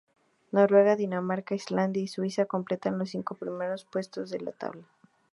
Noruega, Dinamarca, Islandia y Suiza completan los cinco primeros puestos de la tabla.